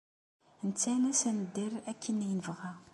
Nettalas ad nedder akken ay nebɣa.